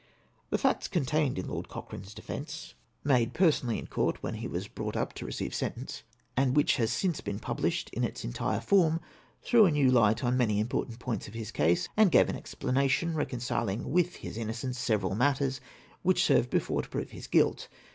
The facts contained in Lord Cochran e's defence, made 4S4 AITEXDIX XX. personally in court vvben he was brought up to receive sentence, and which has since been published in its entire form, threw a new light on many important points of his case, and gave an explanation, reconciling with his innocence several matters which served before to prove his guilt.